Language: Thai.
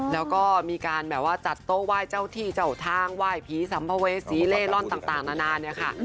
แล้วก็มีการแบบว่าจัดโต๊ะไหว้เจ้าที่เจ้าทางไหว้ผีสัมภเวษีเล่ร่อนต่างนานาเนี่ยค่ะ